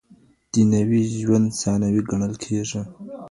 دنيوي ژوند ثانوي ګڼل کيږي.